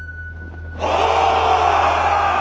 お！